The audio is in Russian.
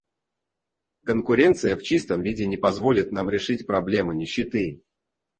Конкуренция в чистом виде не позволит нам решить проблему нищеты.